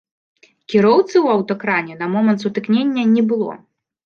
Кіроўцы ў аўтакране на момант сутыкнення не было.